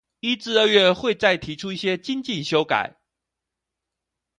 一至二月會再提出一些精進修改